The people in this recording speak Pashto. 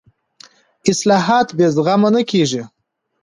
اصلاحات بې زغمه نه کېږي